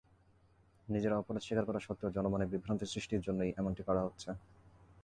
নিজেরা অপরাধ স্বীকার করা সত্ত্বেও জনমনে বিভ্রান্তি সৃষ্টির জন্যই এমনটি করা হচ্ছে।